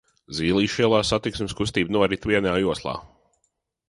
Zīlīšu ielā satiksmes kustība norit vienā joslā.